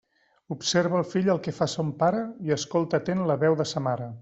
Observa el fill el que fa son pare, i escolta atent la veu de sa mare.